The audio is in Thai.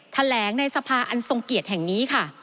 แถลงในสภาอันทรงเกียจแห่งนี้ค่ะ